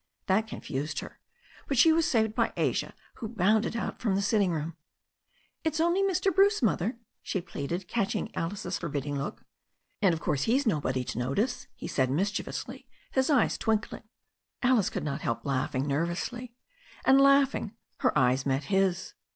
That confused her. But she was saved by Asia, who bounded out from the sitting room. "It's only Mr. Bruce, Mother," she pleaded, catching Alice's forbidding look. "And, of course, he's nobody to notice," he said mis chievously, his eyes twinkling. Alice could not help laughing nervously; and, laughing, her eyes met his.